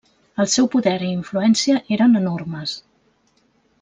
El seu poder i influència eren enormes.